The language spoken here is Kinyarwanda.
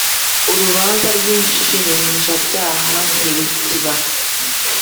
Urubanza rw ‘inshinjabyaha ntirukiba.